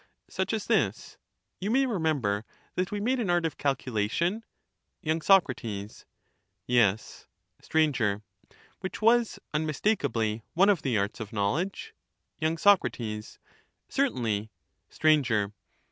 Such as this : You may remember that we made an art of calculation ? y. Sac. Yes. Str. Which was, unmistakeably, one of the arts of know ledge? y. Sac. Certainly. Str.